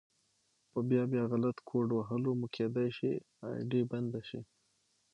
په بيا بيا غلط کوډ وهلو مو کيدی شي آئيډي بنده شي